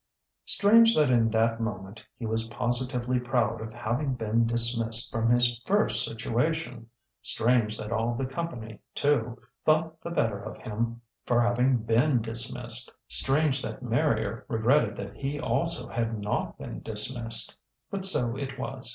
Strange that in that moment he was positively proud of having been dismissed from his first situation! Strange that all the company, too, thought the better of him for having been dismissed! Strange that Marrier regretted that he also had not been dismissed! But so it was.